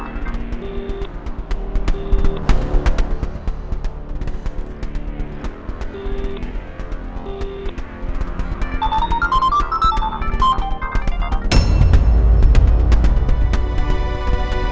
lu oleh kawan kawan